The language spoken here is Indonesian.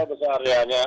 nggak terlalu besar ya